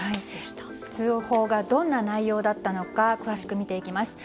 通報がどんな内容だったのか詳しく見ていきます。